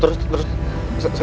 terus terus terus